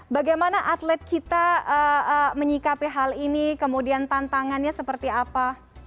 bagaimana atlet kita menyikapi hal ini kemudian tantangannya seperti apa